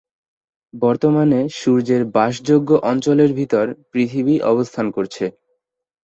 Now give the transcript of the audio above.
বর্তমানে সূর্যের বাসযোগ্য অঞ্চলের ভিতর পৃথিবী অবস্থান করছে।